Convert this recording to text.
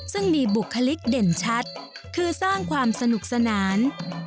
ซึ่งมีบุคลิกเด่นชัดคือสร้างความสนุกสนาน